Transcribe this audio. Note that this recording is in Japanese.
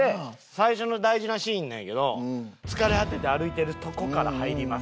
最初の大事なシーンなんやけど疲れ果てて歩いてるとこから入ります。